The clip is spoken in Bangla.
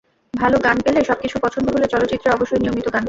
ভালো গান পেলে, সবকিছু পছন্দ হলে চলচ্চিত্রে অবশ্যই নিয়মিত গান করব।